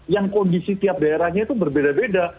yang kondisi tiap daerahnya itu berbeda beda